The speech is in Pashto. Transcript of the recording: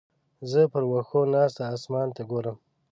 زه پر وښو ناسته اسمان ته ګورم.